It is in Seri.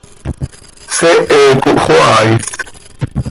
Seehe cohxoaa is.